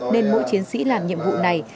nên mỗi chiến sĩ làm nhiệm vụ này